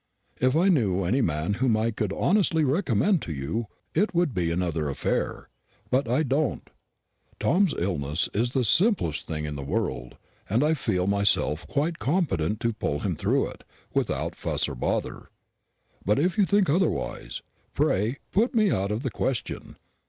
If I knew any man whom I could honestly recommend to you, it would be another affair; but I don't. Tom's illness is the simplest thing in the world, and I feel myself quite competent to pull him through it, without fuss or bother; but if you think otherwise, pray put me out of the question.